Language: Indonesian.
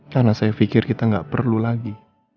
karena saya pikir kita gak perlu lagi